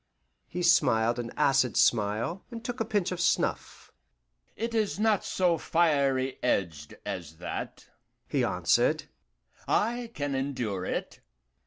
He smiled an acid smile, and took a pinch of snuff. "It is not so fiery edged as that," he answered; "I can endure it."